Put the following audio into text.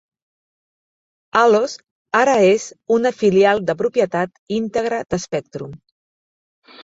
Allos ara és una filial de propietat íntegra d"Spectrum.